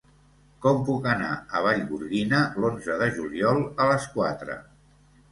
Com puc anar a Vallgorguina l'onze de juliol a les quatre?